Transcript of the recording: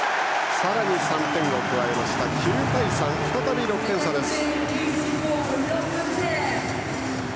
さらに３点を加えて、９対３再び６点差です。